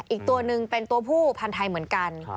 อีกตัวหนึ่งเป็นตัวผู้พันธ์ไทยเหมือนกัน